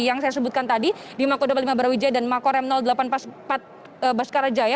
yang saya sebutkan tadi di kodam lima barawijaya dan makor m delapan puluh empat baskarajaya